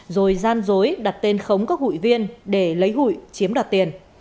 rồi gian dối đặt tên khống các hụi viên để lấy hụi chiếm đoạt tiền